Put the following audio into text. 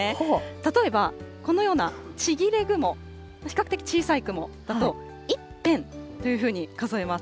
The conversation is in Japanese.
例えば、このようなちぎれ雲、比較的小さい雲だと、一片というふうに数えます。